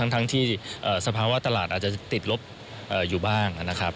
ทั้งที่สภาวะตลาดอาจจะติดลบอยู่บ้างนะครับ